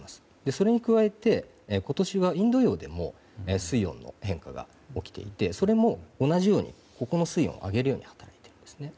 それに加えて今年はインド洋でも水温の変化が起きていてそれも同じようにここの水温を上げるようになるんです。